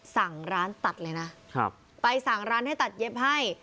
สั่งร้านตัดเลยนะไปสั่งร้านให้ตัดเย็บให้